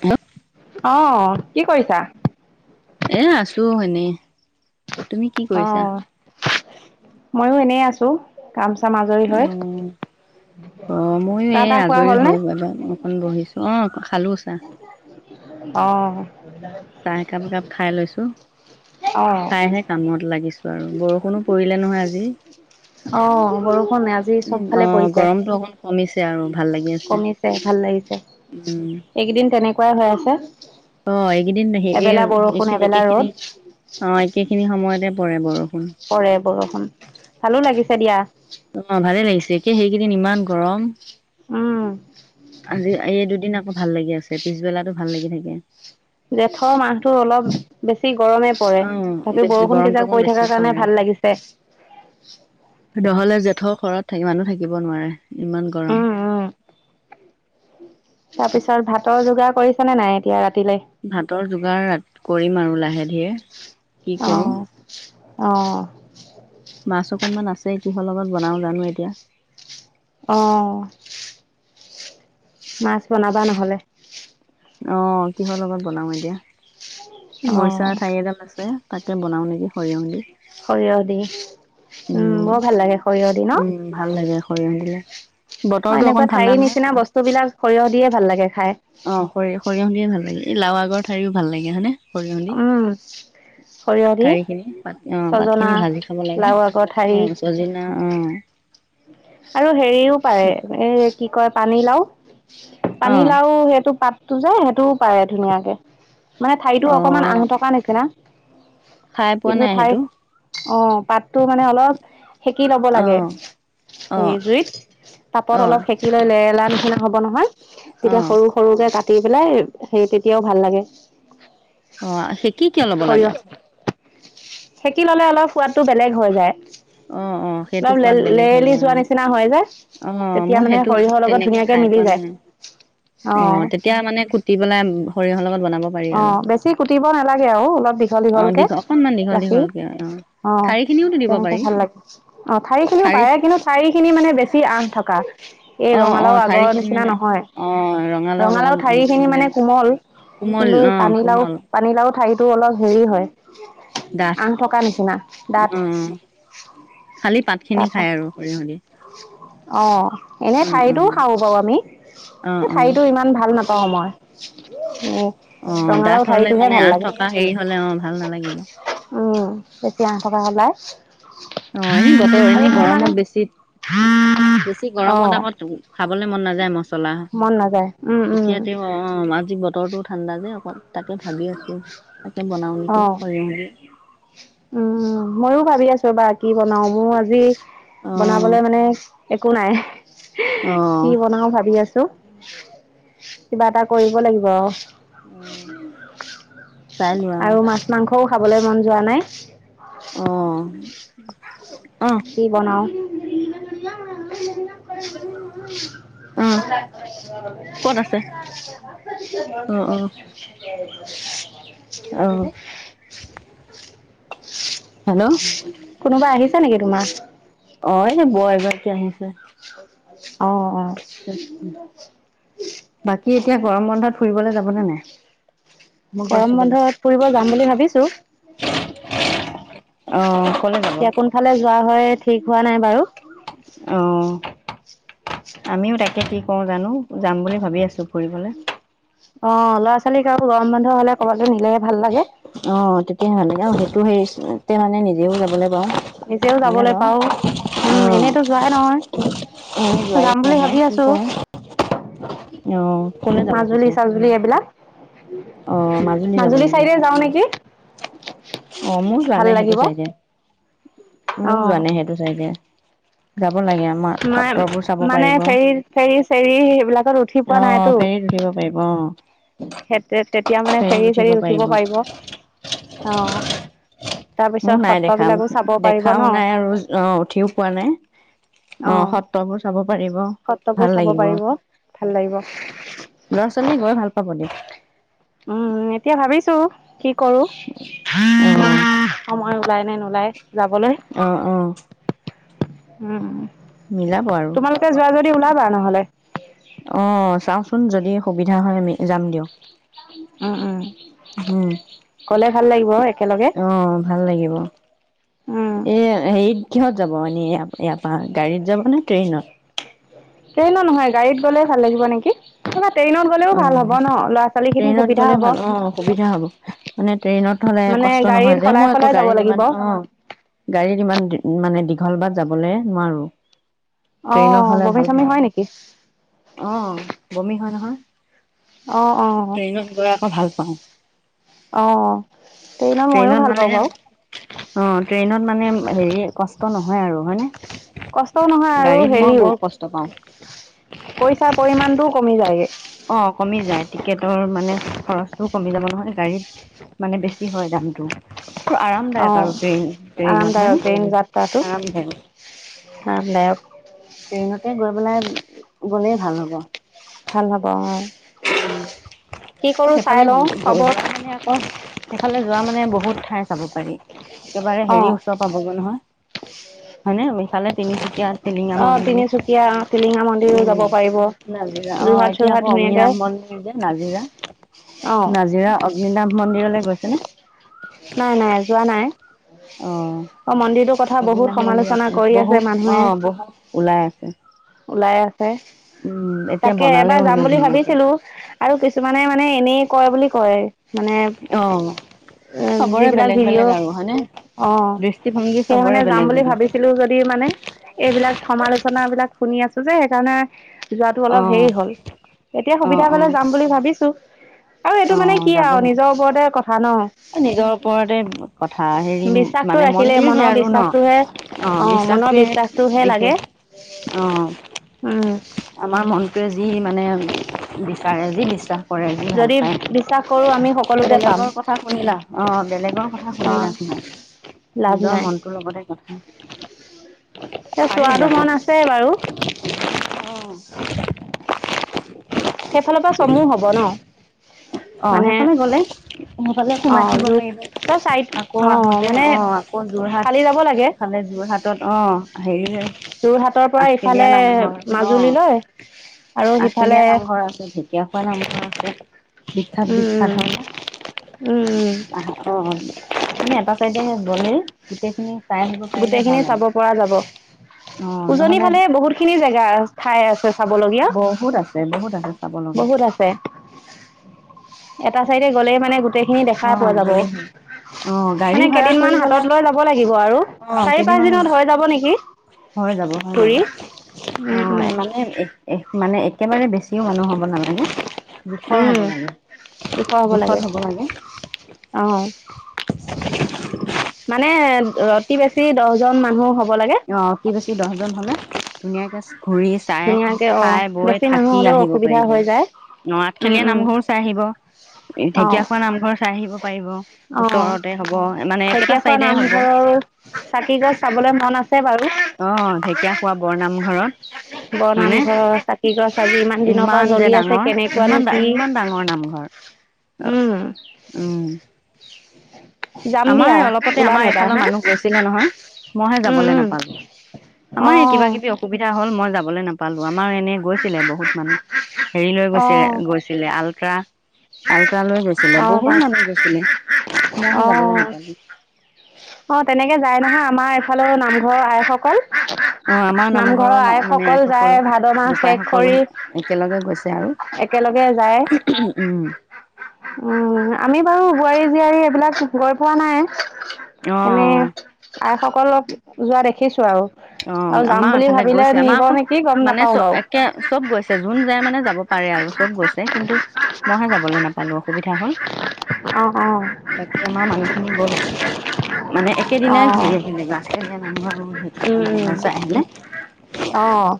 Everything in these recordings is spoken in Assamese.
কিনো আহ', কি কৰিছা? এ', আছো এনে। তুমি কি কৰিছা? অ'। ময়ো এনেই আছো কাম চাম আজৰি হৈ। অ অ ময়ো চাহ এই তাহ খোৱা আজৰি হ'লনে? হৈ বব অকণ বহিছো অ খালোঁ চা [inaudible] খাইহে কামত লাগিছে আৰু বৰষুণো পৰিলে নহয় আজি অ', বৰষুণ আজি অ চবফালে পৰিছে গৰমতটো অকণ কমিছে আৰু ভাল লাগি আছে কমিছে ভাল উম কোৱা হৈ আছে অ এইকেইদিন এই এবেলা বৰষুণ এইখিন এবেলা একে খিনি ৰ'দ অ একে খিনি সময়তে পৰে বৰ কৰেৰে বৰষুণ ভালো লাগিছে দিয়া অ ভালে লাগিছে ক সেইকেইদিন ইমান গৰম উম, আজি এই দুদিন আকৌ ভাল লাগি আছে পিছবেলাতো ভাল লাগি থাকে জেঠৰ মাহতটো অলপ বেছি গৰমে অ আজি বেছি বৰষুণ গৰমটো কেইজাক অকণ পৰি বেছি থকাৰ কাৰণে পৰে ভাল লাগিছে যেথৰ ঘৰত থ মানুহ থাকিব নোৱাৰে ইমান গৰম উম, উম, পিছত ভাত যোগাৰ কৰিছে নে নাই এতিয়া ৰাতি ভাতৰ যোগাৰ কৰিম আৰু লাহে আহে ধিয়ে অ অঁ মাছ অকণমান আছে কিহৰ লগত বনাওঁ জানো এতিয়া আহ মাছ বনাবা নহলে অ কিহৰ লগত বনাও এতিয়া মৰিচা অ', ঠাই এডাল আছে তাকে বনাওঁ নেকি সৰিয়হ দি সৰিয়হ দি উম বৰ ভাল লাগে সৰিয়হ দি ন হয় সৰিয়হ দিলে অ বতৰটো অকণ এনেকুৱা ঠাণ্ডা ঠাৰি নহয় নিচিনা বস্তু বিলাক সৰিয়হ দিয়ে ভাল লাগে খাই অ সৰি সৰিয়হ দিয়ে ভাল এই লাৱ আকৰ ঠাৰিও ভাল লাগে হয়নে সৰিয়হ দি উম, সৰিয়হ দি কাৰীখিনি পাত অঁ ছজনা পাতখিনি ভাজি খাব লাগে লাও আগৰ ঠাৰি অঁ চজিনা অঁ আৰু হেৰিও পাৰে এ কি কয় পানী লাও অ পানীলাও সেইটো পাত তটো যে সেইটোও পাৰে ধুনীয়াকে মানে ঠাইতো অ অকণমান অ আহ থকা নিছিনা খাই পোৱা কিন্তু নাই ঠাই সেইটো অ পাতটো মানে অলপ সেকি ল'ব লাগে অ', সেই অ', জুইত তাপত অলপ অ', সেকি লৈ লৈ লেৰেলা নিচিনা হ'ব নহয় তেতিয়া অ', সৰু সৰুকে কাটি দি পেলাই সেই তেতিয়াও ভাল লাগে অ সেকি কিয় ল'ব লাগে সৰিয়হ আকৌ সেকি ললে অলপ সোৱাদটো বেলেগ হৈ যায় অ অ সেইটো অলপ লে সোৱাদ বেলেগ হৈ লেৰেলি যায় যোৱা অ', নিচিনা হয় যে অ', তেতিয়া মই মানে সেইটো সৰিয়হৰ লগত তেনেকে ধুনীয়াকে খাই মিলি পোৱা নাই যায় অ তেতিয়া মানে কুটি পেলাই সৰিয়হৰ লগত বনাব পাৰি অ আৰু বেছি কুটিব নালাগে আৰু অলপ দীঘল অ', দীঘলকে দীঘল অকনমান দীঘল ৰাখী দীঘলকে অ ঠাৰি খিনিওতো দিব পাৰি তেনেকে ভাল লাগে অ ঠাৰি খিনিও পাৰে কিন্তু ঠাৰি খিনি মানে বেছি আঠ থকা এই অ অ ৰঙালাও ঠাৰি আগৰ খিনি নিচিনা মানে নহয় অ ৰঙালাওৰ ৰঙালাও লগত মানে কোমল অ', পানী লাও কোমল পানী লাও ঠাইতো অলপ হেৰি হয় ডাঠ আন থকা নিচিনা দাঠ অ', খালি পাত খিনি তাৰ খাই আৰু সৰিয়হ দি আহ এনে অ', ঠাৰিটোও অ', খাওঁ বাৰু আমি অ', এই অ', ঠাৰিতটো ইমান ভাল নাপাব অ মই উম অ' ডাঠ ৰঙালাও হ'লে ঠাৰিটোহে মানে ভাল আঠ লাগে থকা হেৰি হ'লে অ' ভাল নালাগিব। উম বেছি আগ থকা ওলাই [inaudible] অ এনে বতৰ আৰু এনে মোৰ মানে গৰমত বেছি বেছি অ গৰমত আকৌ খাবলৈ মন নাযায় ন মচলা মন নাযায় উম উম এতিয়া তেওঁ অ আজি বত বতৰটো ঠাণ্ডা যে অকণ তাকে ভাবি আছোঁ তাকে বনাওঁ অ নেকি কৰি মেলি উম ময়ও ভাবি আছো বা কি বনাও মোৰ আজি অ' বনাবলে মানে একো নাই কি অ' অ' বনাও ভাবি আছো কিবা এটা কৰিব লাগিব চাই লোৱা অ' আৰু মাছ মাংসও খাবলৈ মন যোৱা নাই অঁ [inaudible] কি বনাও অ' নৰীয়াত ক'ত আছে বনিয়াম অ' [inaudible] অ' উ অ' হেল্ল' কোনোবা আহিছে নেকি তোমাৰ অঅঁ এনে বৌ এগৰাকী আহিছে হয় বাকী এতিয়া গৰম বন্ধত ফুৰিবলৈ যাবনে নাই মই গৈ গৰম আছো বলোক বন্ধত ফুৰিব যাম বুলি ভাবিছো অঁ এতিয়া কোনফালে যোৱা হয় ঠিক হোৱা নাই বাৰু অঁ আমিও তাকে কি কৰো জানো যাম বুলি ভাবি আছো ফুৰিবলে অঁ ল'ৰা ছোৱালীক আৰুো গৰম বন্ধ হলে ক'বালে নিলেহে ভাল লাগে অঁ তেতিয়াই লাগে সেইটো হেৰি মানে নিজেও যাব লাগে নিজেও যাবলৈ পাও উম এনেইতো যোৱাই নহয় এনেই যোৱাই যাম বুলি নহয় ভাবি কি আছো কৰোঁ। ক'লৈ যাব মাজুলী পিছে? চাজুলি এইবিলাক অঁ মাজুলী যাব নেকি চাইডে যাওঁ নেকি অঁ মোৰ যোৱা ভাল নাই সেইটো লাগিব চাইডে অ মোৰ যোৱা নাই সেইটো চাইডে যাব লাগে আমাৰ মই সত্ৰবোৰ চাব মানে পাৰিব অঁ ফেৰী ফেৰী চেৰী সেইবিলাকত উঠি পোৱা ফেৰীত উঠিব পাৰিব অঁ সেত তে তেতিয়া মানে ফেৰি চেৰি উঠিব পাৰিব অ মোৰ তাৰপিছত নাই দেখা সত্ৰবিলাকো মো চাব পাৰিব ন? দেখাও নাই আৰু অ উঠিও পোৱা নাই আহ অ', সত্ৰবোৰ চাব পাৰিব সত্ৰবোৰ ভাল চাব লাগিব। পাৰিব। ভাল লাগিব। ল'ৰা ছোৱালীয়ে গৈ ভাল পাব দে উম এতিয়া ভাবিছো কি কৰো সময় ওলাই নে নুলাই অহঁ অহ উম মিলাব আৰু তোমালোকে যোৱা যদি ওলাবা নহ'লে। অ চাওচোন যদি সুবিধা হয় আমি যাম দিয়ক উম উম উম কলে ভাল লাগিব হয় অ ভাল লাগিব উম, এ হেৰিত কিহত যাব আপ আপ গাড়ীত যাবনে ট্ৰেইনত ট্ৰেইনত নহয় গাড়ীত গলে ভাল লাগিব নেকি কিবাত অ ট্ৰেইনত সুবিধা গলে হ'ব। ভাল অ সুবিধা হ'ব মানে ট্ৰেইনত হলে মানে কষ্ট গাড়ীত নহয় যে সলাই মই আকৌ সলাই যাব গাড়ীত লাগিব। যিমান অ গাড়ীত যিমান মানে দিগ দীঘল বাদ যাবলৈ নোৱাৰো ট্ৰেইনত অ', হলে বমি ভাল চমি হয় নেকি? পায় অ বমি হয় নহয়। অ', ট্ৰেইনত গৈ আকৌ ভাল পাওঁ অহ ট্ৰেইনত মইয়ো ভাল পাওঁ বাওঁ অ' ট্ৰেইনত মানে হেৰি কষ্ট নহয় আৰু হয়নে কষ্টও নহয় আৰু গাড়ীত মই হেৰিও বৰ কষ্ট পাওঁ। পইচাৰ পৰিমমানটোও কমি যায়গে অ' কমি যায় টিকেটৰ মানে খৰচটোও কমি যাব নহয় গাড়ীত মানে বেছি হয় দামটো অ আৰামদায়ক আৰু ট্ৰেইন ট্ৰেইনত হয়নে? আৰামদায়ক ট্ৰেইন যাত্ৰাটো আৰামদায়ক। আৰামদায়ক ট্ৰেইনতে গৈ বেলাই গ'লেই ভাল হ'ব ভাল হ'ব অ', কি কৰোঁ চাই সেইফালে লওঁ খবৰ যোৱা মানে আকৌ এইফালে যোৱা মানে বহুত ঠাই চাব পাৰি একেবাৰে হেৰি অ', ওচৰ পাবগৈ নহয় হয় নে বিশালে তিনিচুকীয়াত অ তিনিচুকীয়া টিলিঙা মন্দিৰো উম যাব পাৰিব যোৰহাট চোৰহাট ধুনীয়া নাম মি যে নাজিৰা অ', নাজিৰা মিনাম মন্দিৰলৈ গৈছে নে নাই নাই যোৱা নাই অ অ মন্দিৰটোৰ কথা বহুত অগ্নিনাভ মন্দিৰ সমালোচনা কৰি আছে বহুত অ মানুহে বহুত ওলাই আছে ওলাই আছে উম এতিয়া তাকে এবাৰ বনালেও যাম হেনো বুলি ধুনীয়াকে ভাবিছিলো আৰু কিছুমানে মানে এনেই কয় বুলি কয় মানে অ চবৰে যিবিলাক বেলেগ ভিডিঅ' বেলেগ আৰু হয়নে অ দৃষ্টিভংগী সেই মানে চবৰে যাম বেলেগ বুলি বেলেগ ভাবিছিলো যদি মানে এইবিলাক সমালোচনা বিলাক শুনি আছো যে সেইকাৰণে যোৱাতটো অ অলপ হেৰি হল এতিয়া অ সুবিধা অ পাললে যাম বুলি ভাবিছো [unintelligible] আৰু অ এইটো মানে কি যাব আৰু লাগে নিজৰ ওপৰতে কথা ন নিজৰ ওপৰতে কথা হেৰি বিশ্বাসটো মানে ৰাখিলে মন্দিৰ হে মনৰ আৰু ন বিশ্বাসটোহে অ মনৰ বিশ্বাসটোৱে বিশ্বাসটোহে লাগে বিশেষ অ উম আমাৰ মনটোৱে যি মানে বিচাৰে যে বিশ্বাস কৰে যি ভাল যদি বিশ্বাস কৰো আমি সকলোতে পাম বেলেগৰ কথা শুনিলা অ বেলেগৰ কথা অ শুনিলা লাভ নিজৰ নাই মনটোৰ লগতে কথা এ পাৰি চোৱাটো যাব মন আছে বাৰু [unintelligible] সেইফালৰ পৰা চমু হব ন অ মানে সেইফালে গ'লে সেইফালে সোমাই অ', দিব যোৰ পাৰিব ত চাইড আকৌ আহোতে মানে অ আকৌ যোৰহাট ফালি যাব লাগে ইফালে যোৰহাটত অ হেৰি যে যোৰহাটৰ পৰা আঠখেলীয়া ইফালে নামঘৰ অ মাজুলীলৈ আৰু সিফালে আঠখেলীয়া নামঘৰ উম, আছে ঢেকীয়াখোৱা নামঘৰ [unintelligible] বিখ্যাত বিখ্যাত উম, হলে ন উম, উম, আহ অ তুমি এটা চাইডে বলে গোটেই খিনি গোটেই খিনি চাব পৰা যাব অ উজনি নহ'লে ফালে বহুত খিনি জেগা ঠাই আছে চাবলগীয়া বহুত আছে বহুত আছে চাব লগা বহুত আছে এটা চাইডে গ'লে মানে গ গোটেইখিনি অ দেখাই পোৱা যাব গ'লেই হ'ল অ গাড়ী মানে ভাড়া কেইদিনমান কৰি গ'লে হাতত লৈ যাব লাগিব আৰু অ চাৰি পাঁচ কেইদিনমান দিনত হৈ যাব নেকি। হৈ যাব হৈ যাব ঘূৰি অ উম, উম, মানে মানে একেবাৰে বেছিও মানুহ হ'ব নালাগে জোখৰ উম, হ'ব লাগে জোখত হ'ব লাগে অ মানে অতি বেছি দহজন মানুহ হব লাগে অ অতি বেছি দহজন হলে ধুনীয়াকে ঘুৰি চাই ধুনীয়াকে অ খাই বৈ বেছি মানুহ থাকি হ'লেও আহিব অসুবিধা পাৰিব হৈ যায় ন উম আঠখেলীয়া উম নামঘৰো চাই আহিব অ ঢেকীয়াখোৱা নামঘৰ চাই আহিব পাৰিব অ ওচৰতে হব মানে একেটা ঢেকীয়াখোৱা চাইডে হব নামঘৰৰ চাকি গছ চাবলৈ মন আছে বাৰু অ' ঢেকীয়া খোৱা বৰনামঘৰত। হয়নে বৰনামঘৰ চাকি গছ আজি ইমান দিনৰ পৰা যে জ্বলি আছে ডাঙৰ কেনেকুৱানো ইমান ডা কি ইমান ডাঙৰ নামঘৰ উম, উ, উম আমাৰ অলপতে আমাৰ এইফালৰ মানুহ গৈছিলে নহয় মইহে উম যাবলৈ উম নাপালো অ আমাৰ কিবা কিবি অসুবিধা হ'ল মই যাবলৈ নাপালো। আমাৰ এনেই গৈছিলে বহুত মানুহ। হেৰি লৈ অ গৈছিল গৈছিলে আল্ট্ৰা। আল্ট্ৰা লৈ গৈছিলে অ বহুত বাছ মানুহ গৈছিলে অ মই। যাবলৈ নাপালো। অ' তেনেকে যায় নহয় আমাৰ এফালে নামঘৰৰ আইসকল। অ 'আমাৰ নামঘৰৰ মানে যায় আইসকল ভাদ মাহ শেষ বোপাই সকল কৰি একেলগে গৈছে আৰু। একেলগে যায়। উম উম উম আমি বাৰু বোৱাৰী জীয়াৰী এইবিলাক গৈ পোৱা নাই। অ অ এনেই আই সকল। অলপ যোৱা দেখিছোঁ আৰু। অ' আৰু যাম আমাৰ বুলি এফালে ভাবিলে গৈছে আমাৰ নিব আকৌ নেকি গম মানে নাপাও চ বাৰু একে চব গৈছে যোন যায়। মানে যাব পাৰে আৰু চব গৈছে কিন্তু মইহে যাবলৈ নাপালো অসুবিধা হ'ল। অ অ বাকী আমাৰ মানুহ। খিনি গ'ল মানে অ একেদিনাই ঘূৰে যেনিবা উম উম নামঘৰ চাই পিনে। অ'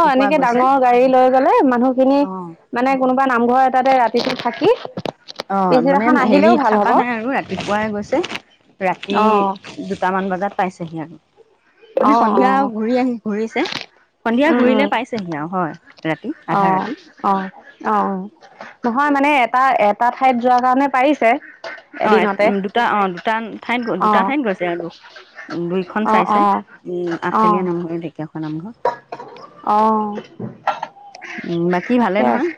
অ' এনেকে গৈছে ডাঙৰ গাড়ী লৈ গলে মানুহখিনি অ' মানে কোনোবা নামঘৰ এটাতে ৰাতি। দিনটো থাকি। অ', মানে পিছদিনাখন হেৰি আহিলেও ভাল হ'ব থকা নাই আৰু ৰাতিপুৱাই গৈছে ৰাতি অ দুটামান বজাত পাইছেহি আৰু। মানে অ অ সন্ধিয়া ঘূৰি আহি ঘুৰিছে সন্ধিয়া উম ঘুৰিলে উম পাইছেহি আৰু হয় ৰাতি আধা অ', ৰাতি। অ', অ', নহয় মানে এটা এটা ঠাইত যোৱাৰ কাৰণে পাৰিছে। অ' এদিনতে দুটা অ' দুটা ঠাইত দুটা অ', ঠাইত গৈছে আৰু দুইখন অ', চাইছে। অ', উম অ', আঠফেলীয়া নামঘৰ ঢেকীয়াখোৱা নামঘৰ। অ' উ বাকী ভালে ঠিকে নহয়। আছে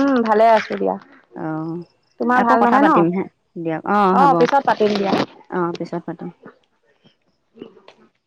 উম ভালে আছো দিয়া। অ' তোমাৰ আকৌ ভাল কথা নহয় ন পাতিম হে দিয়ক অ হ'ব পিছত পাতিম দিয়া। অ পিছত পাতিম। [inaudible]